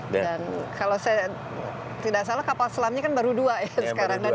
dan kalau saya tidak salah kapal selamnya kan baru dua ya sekarang